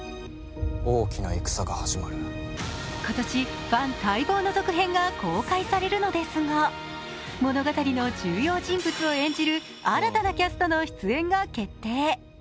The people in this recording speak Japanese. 今年ファン待望の続編が公開されるのですが物語の重要人物を演じる新たなキャストの出演が決定。